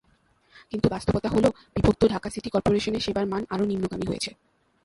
কিন্তু বাস্তবতা হলো, বিভক্ত ঢাকা সিটি করপোরেশনের সেবার মান আরও নিম্নগামী হয়েছে।